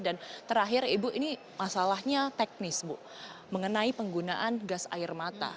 dan terakhir ibu ini masalahnya teknis bu mengenai penggunaan gas air mata